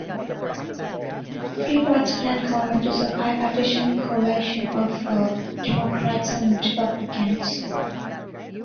Freeport's current government is a bipartisan coalition of Democrats and Republicans.